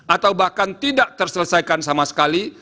atau bahkan tidak terselesaikan sama sekali